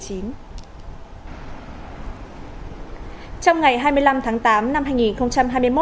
trong ngày hai mươi năm tháng tám năm hai nghìn hai mươi một